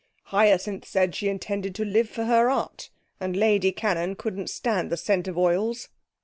Hyacinth said she intended to live for her art, and Lady Cannon couldn't stand the scent of oils.'